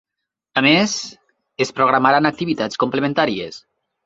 A més, es programaran activitats complementàries.